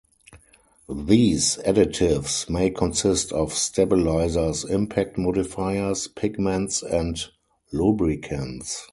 These additives may consist of stabilizers, impact modifiers, pigments and lubricants.